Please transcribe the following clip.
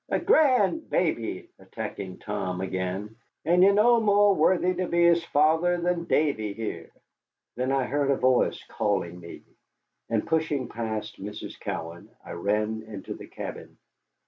"A grand baby," attacking Tom again, "and ye're no more worthy to be his father than Davy here." Then I heard a voice calling me, and pushing past Mrs. Cowan, I ran into the cabin.